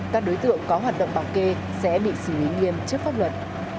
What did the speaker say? các đối tượng có hoạt động bảo kê sẽ bị xử lý nghiêm trước pháp luật